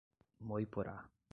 Moiporá